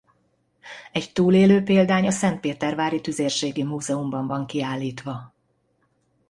Egy túlélő példány a szentpétervári tüzérségi múzeumban van kiállítva.